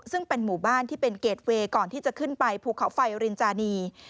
ซึ่งเป็นหมู่บ้านที่เป็นเกรดเวย์ก่อนที่จะขึ้นไปภูเขาไฟรินจานี